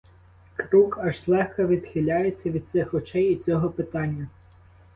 Крук аж злегка відхиляється від цих очей і цього питання.